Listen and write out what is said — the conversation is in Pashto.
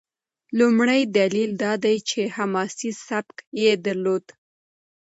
لومړی دلیل دا دی چې حماسي سبک یې درلود.